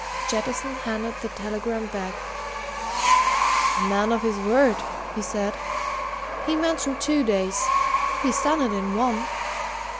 Jettison handed the telegram back. "A man of his word!" he said. "He mentioned two days he's done it in one!